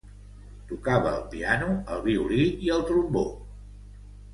Tocava el piano, el violí i el trombó.